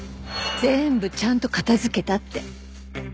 「全部ちゃんと片づけた」って。